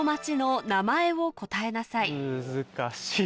難しい。